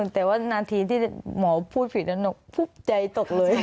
แต่ว่านาทีที่หมอพูดผิดนั้นใจตกเลย